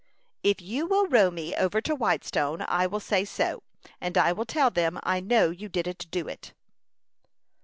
"If you will row me over to Whitestone, I will say so; and I will tell them I know you didn't do it."